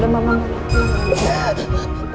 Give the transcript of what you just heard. udah mama ngelakuin